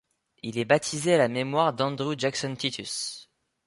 Il est baptisé à la mémoire d'Andrew Jackson Titus.